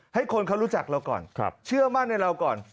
ให้คนเขารู้จักเราก่อนเชื่อมั่นในเราก่อน